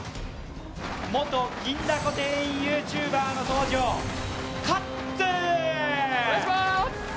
元銀だこ店員ＹｏｕＴｕｂｅｒの登場、かっつー。